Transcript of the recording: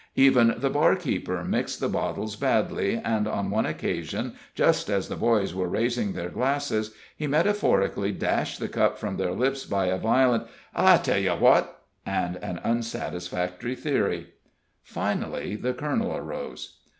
Even the barkeeper mixed the bottles badly, and on one occasion, just as the boys were raising their glasses, he metaphorically dashed the cup from their lips by a violent, "I tell you what" and an unsatisfactory theory. Finally the colonel arose.